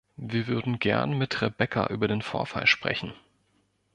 Wir würden gern mit Rebecca über den Vorfall sprechen.